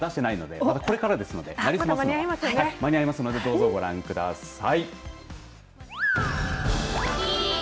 エントリーシートも出してないのでこれからですので間に合いますのでどうぞご覧ください。